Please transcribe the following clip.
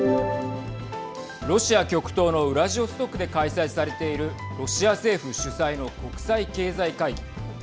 ロシア極東のウラジオストクで開催されているロシア政府主催の国際経済会議。